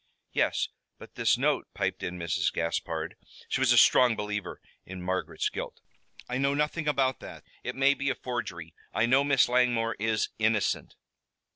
"Yes, but this note " piped in Mrs. Gaspard. She was a strong believer in Margaret's guilt. "I know nothing about that. It may be a forgery. I know Miss Langmore is innocent."